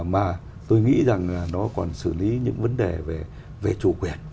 mà tôi nghĩ rằng là nó còn xử lý những vấn đề về chủ quyền